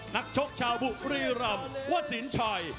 นักชกชาวบุรีรำวสินชัย